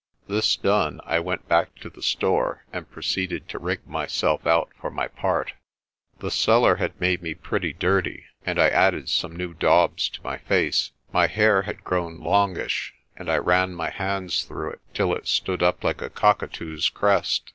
This done, I went back to the store and proceeded to rig myself out for my part. The cellar had made me pretty dirty, and I added some new daubs to my face. My hair had grown longish, and I ran my hands through it till it stood up like a cockatoo's crest.